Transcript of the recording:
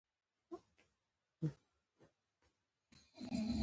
چی دا ډول حکومت ته په شرعی اصطلاح کی توحید فی الحاکمیت ویل کیږی